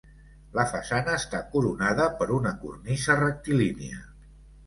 La façana està coronada per una cornisa rectilínia.